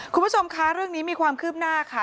คุณผู้ชมคะเรื่องนี้มีความคืบหน้าค่ะ